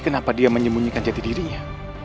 kenapa dia menyembunyikan jati dirinya